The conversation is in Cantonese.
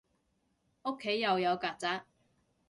屋企又有曱甴